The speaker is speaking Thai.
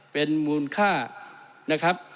เป็นมูลค่านะครับ